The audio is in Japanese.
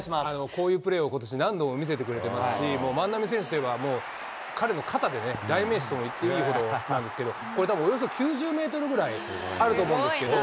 こういうプレーをことし、何度も見せてくれてますし、もう万波選手といえば、もう、彼の肩でね、代名詞と言ってもいいほどなんですけど、これ、およそ９０メートルぐらいあると思うんですよ。